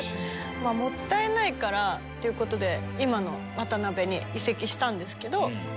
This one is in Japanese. もったいないからっていう事で今のワタナベに移籍したんですけど。